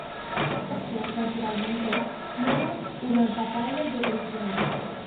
Esto, naturalmente, generó una batalla de ediciones.